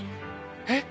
えっ？